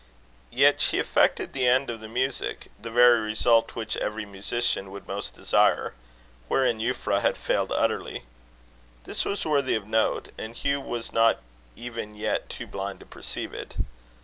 Yet she effected the end of the music, the very result which every musician would most desire, wherein Euphra had failed utterly. This was worthy of note, and Hugh was not even yet too blind to perceive it.